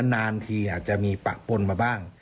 นานทีอาจจะมีปะปนมาบ้าง